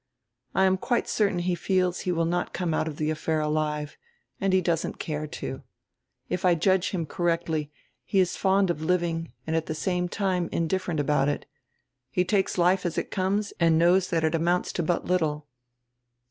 I am quite certain he feels that he will not come out of the affair alive, and he doesn't care to. If I judge him cor rectly he is fond of living and at the same time indiffer ent about it. He takes life as it comes and knows that it amounts to but little."